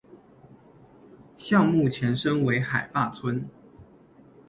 项目前身为海坝村。